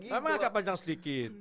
memang agak panjang sedikit